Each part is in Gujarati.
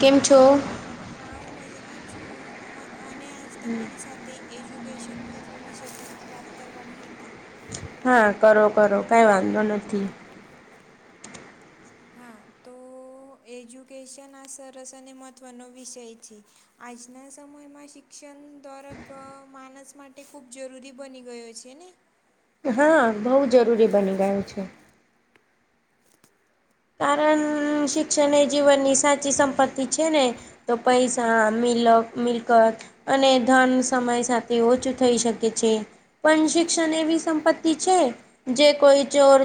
કેમ છો? હા હું મજામાં છું, મ અને આજ તમારી સાથે એજ્યુકેશન મહત્વ વિષય કરતી વાત કરવાની હતી. હા કરો કરો કાઈ વાંધો નથી. હા તો તો એજ્યુકેશન આ સરસ અને મહત્ત્વનો વિષય છે આજના સમયમાં શિક્ષ શિક્ષણ દરક માણસ માટે ખૂબ જરૂરી બની ગયો છે ને. હા બહુ જરૂરી બની ગયું છે. કારણ શિક્ષણ એ જીવનની સાચી સંપત્તિ છે ન તો પૈસા મિલક મિલકત અને ધન સમય સાથે ઓછું થઈ શકે છે. પણ શિક્ષણ એવી સંપત્તિ છે જે કોઈ ચોર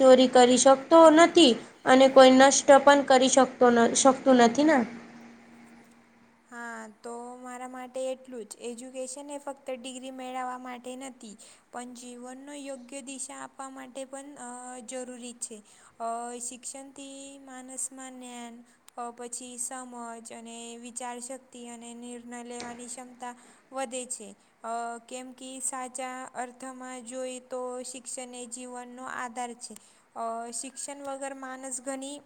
ચોરી કરી શકતો નથી. હતી અને કોઈ નષ્ટ પણ કરી શકતો શકતું નથી ને. હા તો મારા માટે એટલું જ એજ્યુકેશન એ ફક્ત ડિગ્રી મેળવવા માટે નથી. પણ જીવનનો યોગ્ય દિશા આપવા માટે પણ અ જરૂરી છે. અ શિક્ષણ થી માનસ માં જ્ઞાન પછી સમજ અને વિચાર શક્તિ અને નિર્ણય લેવાની ક્ષમતા વધે છે. અ કેમ કે સાચા અર્થમાં જોઈ તો શિક્ષણ એ જીવનનો આધાર છે. અ શિક્ષણ વગર માનસ ઘની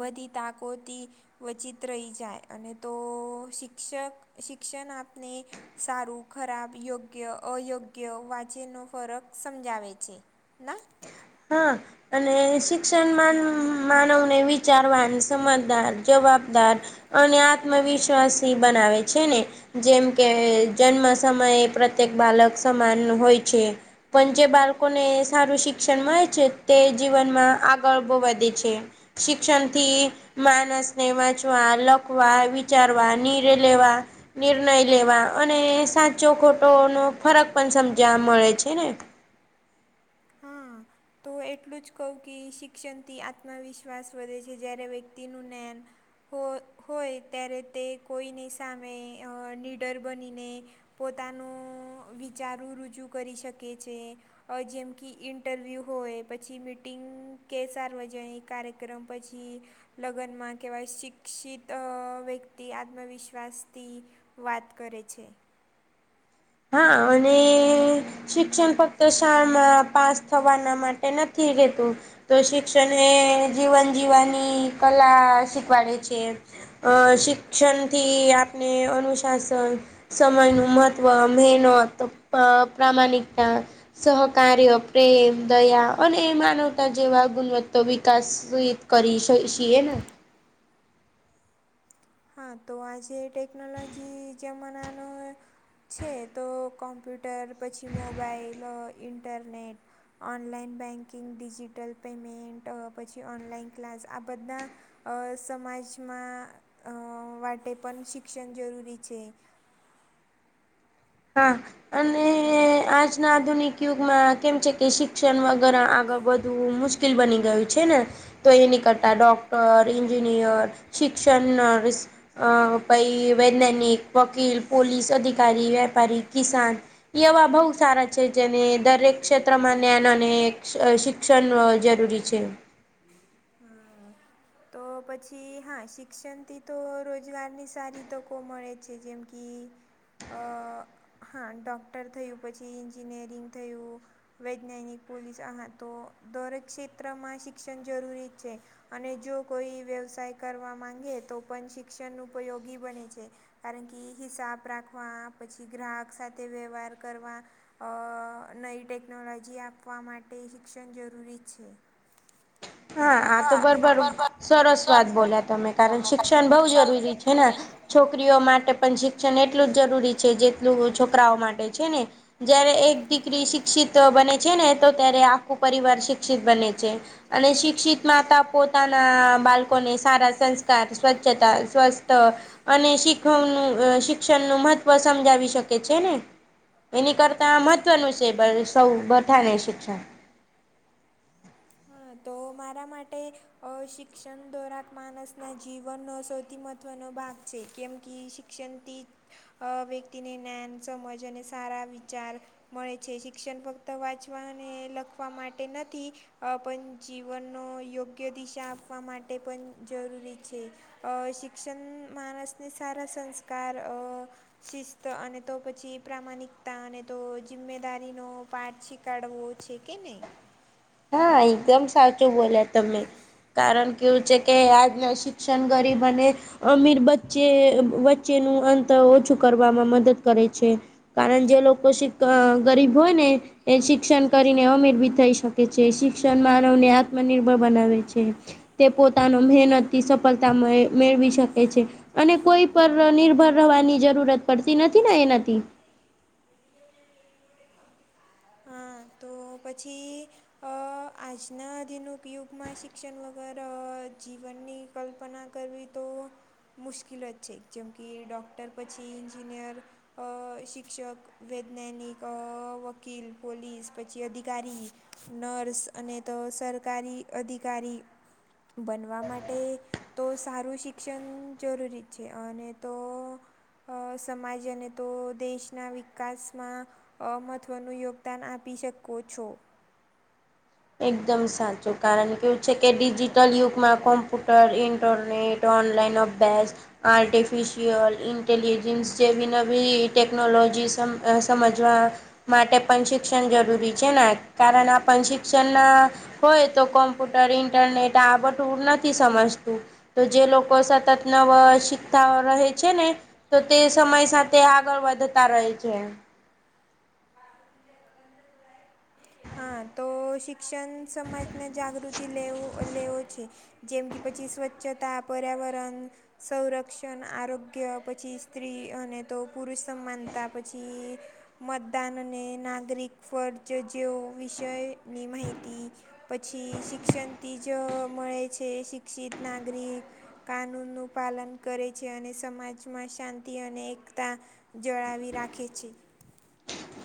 બધી તાકાતો થી વંચિત રહી જાય. અને તો શિક્ષક શિક્ષણ આપને સારું ખરાબ યોગ્ય અયોગ્ય વાંચેનનો ફરક સમજાવે છે. ના. હા અને શિક્ષણમાં ન માનવને વિચારવાની સમજદાર જવાબદાર અને આત્મવિશ્વાસ બનાવે છે ને. જેમ કે જન્મ સમયે પ્રત્યેક બાલક સમાન હોય છે. પણ જે બાળકો ને સારું શીખ શિક્ષણ મળે છે તે જીવનમાં આગળ બવ વધે છું વતાણ રોજવધે છે શિક્ષણથી માણસને વાંચવા, લખવા, વિચારવા નિર્ણય લેવા નિર્ણય લેવા અને સાચો ખોટો નો ફરક પણ સમજવા મળે છે ને. હા. તો એટલું જ કહું કે શિક્ષણથી આત્મવિશ્વાસ વધે જ્યારે વ્યક્તિનું જ્ઞાન હો હોય ત્યારે તે કોઈની સામે અ નીડર બનીને પોતાનું વિચારું રુજૂ કરી શકે છે જેમ કે ઇન્ટરવ્યૂ હોય‌ પછી મીટિંગ કે સાર્વજનિક કાર્યક્રમ પછી લગ્નમાં કેવાય શિક્ષિત અ વ્યક્તિ આત્મવિશ્વાસથી વાત કરે છે. હા અને શિક્ષણ ફક્ત શાળામાં પાસ થવાના માટે નથી રહેતું તો શિક્ષણ એ જીવન જીવવાની કલા શીખવાડે છે. અ શિક્ષણ થી આપણે અનુશાસન સમયનું મહત્વ મહેનત પ્ર પ્રામાણિકતા સહકાર્ય પ્રેમ દયા અને માનવતા જેવા ગુણવત્તા વિકાસહ કરી શ છીએ ને. હા તો આજે ટેકનોલોજી જમાનાનો છે તો કોમ્પ્યુટર પછી mobile internet online banking digital payment પછી ઓનલાઈન ક્લાસ આ બધા અ સમાજમાં અ માટે પણ શિક્ષણ જરૂરી છે હા, અને આજના આધુનિક યુગમાં કેમ છે કે શિક્ષણ વગર આગળ વધવું મુશ્કેલ બની ગયું છે ને. તો એની કરતા ડોક્ટર, એન્જિનિયર, શિક્ષણ, નર્સ અહ પઈ વૈજ્ઞાનિક, વકીલ, પોલીસ અધિકારી, વેપારી, કિસાન એવા બહુ સારા છે. જેને દરેક ક્ષેત્રમાં ન્યાન અને શિક ક્ષન જરૂરી છે. હા. તો પછી હા શિક્ષણથી તો રોજગારની સારી તકો મળે છે. જેમ કિ અહ હા, ડોક્ટર થયું, પછી એન્જિનિયરિંગ થયું. વૈજ્ઞાનિક, પોલીસ આમાં તો દરેક ક્ષેત્રમાં શિક્ષણ જરૂરી જ છે. અને જો કોઈ વ્યવસાય કરવા માંગે તો પણ શિક્ષણ ઉપયોગી બને છે. કારણ કિ હિસાબ રાખવા, પછી ગ્રાહક સાથે વ્યવહાર કરવા અહ નઈ ટેકનોલોજી આપવા માટે શિક્ષણ જરૂરી છે. હા. આ તો બરબર, સરસ વાત બોલ્યા તમે. કારણ શિક્ષણ બોવ જરૂરી છે ના. છોકરીઓ માટે પણ શિક્ષણ એટલું જ જરૂરી છે, જેટલું છોકરાઓ માટે છે ને. જયારે એક દીકરી શિક્ષિત બને છે, ને તો ત્યારે આખું પરિવાર શિક ક્ષિત બને છે. અને શિક્ષિત માતા પોતાના બાલ લકોને સારા સંસ્કાર, સ્વચ્છતા, સ્વસ્થ અને શીખવનું શિક્ષણનું મહત્વ સમજાવી શકે છે ને. એની કરતાં મહત્ત્વનું છે બ સૌ બધાને શિક્ષણ. હા. તો મારા માટે અહ શિક્ષણ દોરાક માણસના જીવનનો સૌથી મહત ત્વનો ભાગ છે, કેમ કિ શિક્ષણથી અહ વ્યક્તિને ન્યાન, સમજ અને સારા વિચાર મળે છે. શિક્ષણ ફક્ત વાંચવા ને લખવા માટે નથી. અ પન જીવનનો યોગ્ય દિશા આપવા માટે પન જરૂરી છે. અહ શિક્ષન માણસને સારા સંસ્કાર અહ શિસ્ત અને તો પછી પ્રામાણિકતા અને તો જિમ્મેદારીનો પાઠ શીખાડવો છે કે ને હા. એકદમ સાચું બોલ્યા તમે. કારણ કેવું છે, કે આજનો શિક્ષણ ગરીબ અને અમીર બચ્ચે વચ્ચેનું અંતર ઓછું કરવામાં મદદ કરે છે. કારણ જે લોકો શિક અહ ગરીબ હોયને એ શિક્ષણ કરીને અમીર બી થઈ શક કે છે. શિક્ષણ માનવને આત્મનિર્ભર બનાવેે છે. તે પોતાનો મહેનતથી સફળતા મે મેળવી શકે છે. અને કોઇ પર નિર્ભર રહેવાની જરૂરત પડતી નથી ને એનાથી. હા તો પછી અહ આજના આધુનિક યુગમાં શિક્ષણ વગર જીવનની કલ્પના કરવી તો મુશ્કિલ જ છે. જેમ કે ડૉક્ટર પછી ઇન્જિનિયર અહ શિક્ષક, વૈજ્ઞાનિક, અહ વકીલ, પોલીસ પછ છી અધિકારી, નર્સ અને તો સરકારી અધિકારી બનવા માટે તો સારું શિક્ષણ જરૂરી જ છે. અને તો અહ સમાજ અને તો દેશના વિકાસમાં અહ મહત્ત્વનું યોગદાન આપી શકો છો. એકદમ સાચું. કારણ કેવું છે, કે ડિજિટલ યુગમાં કોમ્પુટર, ઇન્ટરનેટ ઓનલાઇન અભ્યાસ આર્ટિફિશિયલ ઇન્ટલિજન્સ જેવી નવી ટેક્નોલોજી સમ સમજવા માટે પણ શિક્ષણ જરૂરી છે ને કારણ આ પણ શિક્ષણ શિક્ષણ હોય તો કોમ્પ્યુટર ઇન્ટરનેટ આ બધું નથી સમજતું તો જે લોકો સતત નવ શીખતા રહે છે ને તો તે સમય સાથે આગળ વધતા રહે છે. હા તો શિક્ષણ સમાજને જાગૃતિ લેવું લેવો છે. જેમ કે પછી સ્વચ્છતા પર્યાવરણ સંરક્ષણ આરોગ્ય પછી સ્ત્રી અને તો પુરુષ સમાનતા પછી મતદાન અને નાગરિક ફરજ જેવો વિષયની માહિતી પછી શિક્ષણથી જ મળે છે શિક્ષિત નાગરિક કાનૂન નું પાલન કરે છે અને સમાજમાં શાંતિ અને એકતા જળાવી રાખે છે.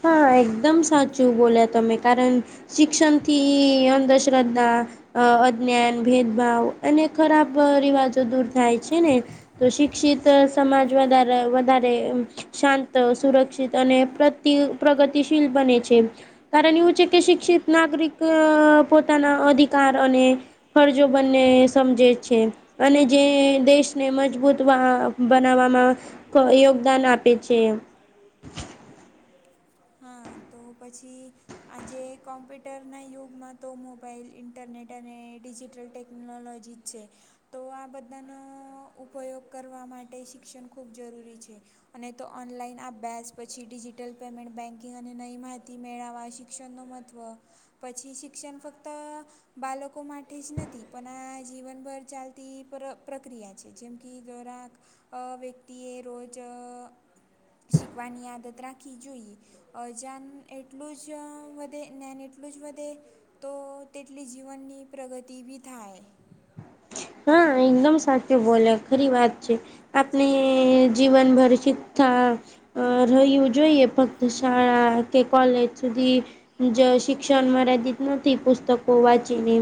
હા એકદમ સાચું બોલ્યા તમે કારણ શિક્ષણ થી અંધશ્રદ્ધા અ અજ્ઞાન ભેદભાવ અને ખરાબ રિવાજો દૂર થાય છે ને તો શિક્ષિત સમાજ વધારે વધારે શાંત સુરક્ષિત અને પ્રતિ પ્રગતિશીલ બને છે કારણ એવું છે કે શિક્ષિત નાગરિક પોતાના અધિકાર અને ફરજો બંને સમજે છે. અને જે દેશને મજબૂત બનાવવામાં યોગદાન આપે છે. [unintelligible] હા તો તો પછી આજે કોમ્પ્યુટરના યુગમાં તો મોબાઈલ ઇન્ટરનેટ અને ડિજિટલ ટેક નોલોજી છે. તો આ બધાનો ઉપયોગ કરવા માટે શિક્ષણ ખૂબ જરૂરી છે. અને તો ઓનલાઈન અભ્યાસ પછી ડિજિટલ પેમેન્ટ બેન્કિંગ અને નઈ મા હિતી મેળવવા શિક્ષણનું મહત્ત્વ પછી શિક્ષણ ફક્ત બાળકો માટે જ નથી પણ આ જીવનભર ચાલતી પ્રક્રિયા છે જેમ કે ઘરાક અ વ્યક્તિએ રોજ શીખવાની આદત રાખવી જોઈએ અજાન એટલું જ વધે જ્ઞાન એટલું જ વધે. તો તેટલી જીવનની પ્રગતિ બી થાય. હા એકદમ સાચું બોલે ખરી વાત છે આપને જીવન. [unintelligible] અ રહ્યું જોઈએ ફક્ત શાળા કે કોલેજ સુધી જ શિક્ષણ મર્યાદિત નથી પુસ્તકો વાંચીને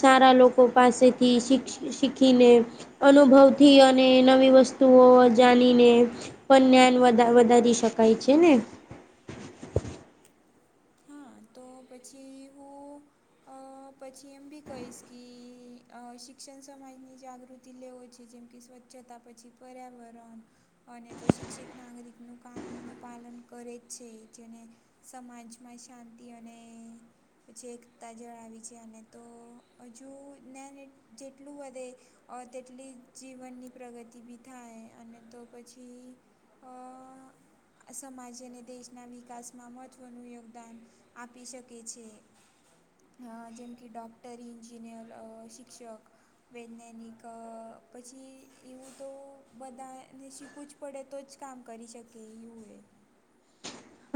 સારા લોકો પાસેથી શીખીને અનુભવથી અને નવી વસ્તુઓ જાણીને પણ જ્ઞાન વધારી શકાય છે ને. હા તો પછી હું અ પછી એમ બી કહીશ કે શિક્ષણ સમાજની જાગૃતિ લેવો છે જેમ કે સ્વચ્છતા પછી પર્યાવરણ અને તો શિક્ષિત નાગરિકનું કાનૂનનું પાલન કરે જ છે જેને સમાજમાં શાંતિ અને એકતા જળાવી છે. અને તો હજુ જ્ઞાન જેટલું વધે. અ તેટલી જીવનની પ્રગતિ બી થાય. અને તો પછી સમાજ અને દેશના વિકાસમાં મહત્ત્વનું યોગદાન આપી શકે છે. જેમ કે ડોક્ટરી એન્જિનિયર અ શિક્ષક વૈજ્ઞાનિક પછી એવું તો બધાને શીખું જ પડે તો જ કામ કરી શકે એવું એ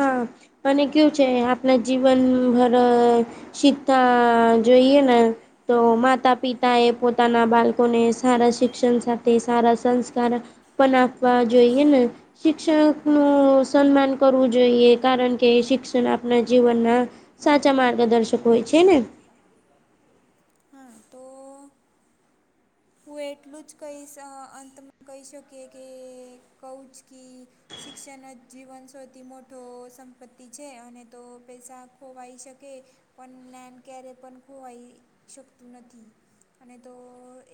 હા અને કેવુ છે. આપણા જીવનભર સીતા જોઈએ ન. તો માતા પિતા એ પોતાના બાળકો ને સારા શિક્ષણ સારા સંસ્કાર પણ આપવા જોઈએ ને, શિક્ષક નું સમ્માન કરવું જોઈએ કારણ કે શિક્ષણ આપણા જીવનના સાચા માર્ગદર્શક હોય છે ને. હ તો. હું એટલું જ કહીશ અંતમાં કહી શકીયે કે કહુ જ કી શિક્ષણ જ જીવન સૌથી મોટો સંપત્તિ છે. અને તો પૈસા ખોવાઈ શકે. પણ નેન ક્યારે પણ ખોવાઈ શકતું નથી અને તો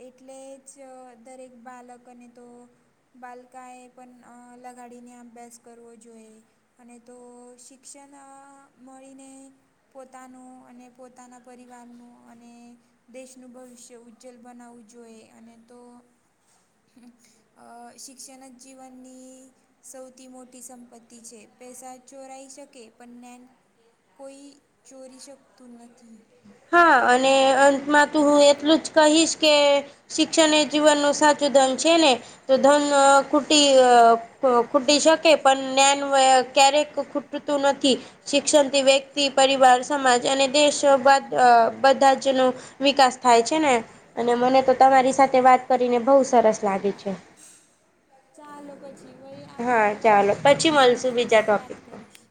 એટલે જ દરેક બાળકને તો બાલકા એ પણ લગાડીને અભ્યાસ કરવો જોઈએ. અને તો શિક્ષણ મળીને. પોતાનું અને પોતાના પરિવારનું અને દેશનું ભવિષ્ય ઉજ્જલ બનાવવું જોઈએ. અને‌ તો શિક્ષણ જ જીવનની સૌથી મોટી સંપત્તિ છે. પૈસા ચોરાઈ શકે પણ નેન કોઈ ચોરી શકતું નથી. હા અને અંતમાં તો હું એટલું જ કહીશ કે શિક્ષણ એ જીવનનું સાચું ધન છે. ને તો ધન [unintelligible] ખૂટી શકે પણ જ્ઞાન ક્યારેક ખૂટી ખૂટતું નથી, શિક્ષણથી વ્યક્તિ પરિવાર સમાજ અને દેશ બાદ અ બધા જ નો વિકાસ થાય છે ને. અને મને તો તમારી સાથે વાત કરીને બહુ સરસ લાગે છે. ચાલો પછી ભહી આ હા અલ્લાહ ચાલો ખુદે પછી બિસરા મળશું બીજા ટોપિકથી વાત ટોપિક પર કરીશ.